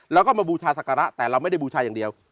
แล้วก็มาบูชาศักระแต่เราไม่ได้บูชาอย่างเดียว